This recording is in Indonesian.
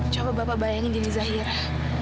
coba bapak bayangin gini zahira